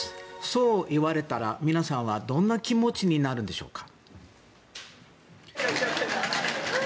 そういわれたら、皆さんはどんな気持ちになるんでしょうか。